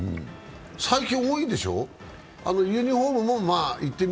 最近多いでしょう？